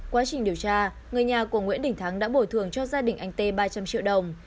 quá trình điều tra người nhà của nguyễn đình thắng đã bồi thường cho gia đình anh tê ba trăm linh triệu đồng